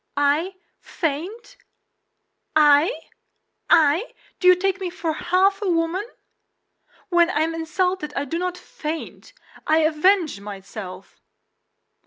"I faint? I? I? Do you take me for half a woman? When I am insulted I do not faint; I avenge myself!"